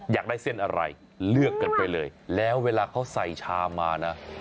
อยากได้เส้นอะไรเลือกกันไปเลยแล้วเวลาเขาใส่ชามมานะ